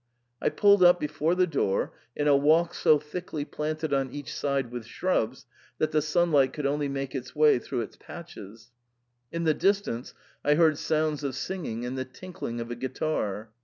I pulled up before the door, in a walk so thickly planted on each side with shrubs that the sunlight could only make its way through in patches. In the distance I heard sounds of singing and the tinkling of a guitar.